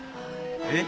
えっ？